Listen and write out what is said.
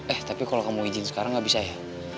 eh tapi kalo kamu izin sekarang gak bisa ya